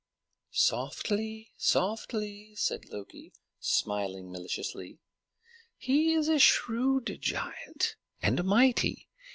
"Softly, softly," said Loki, smiling maliciously. "He is a shrewd giant, and a mighty.